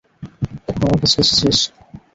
এখন আমার কাছে এসেছিস।